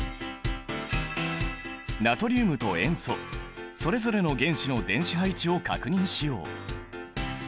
ナトリウムと塩素それぞれの原子の電子配置を確認しよう！